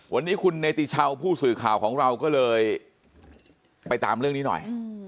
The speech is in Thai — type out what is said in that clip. วันนี้คุณเนติชาวผู้สื่อข่าวของเราก็เลยไปตามเรื่องนี้หน่อย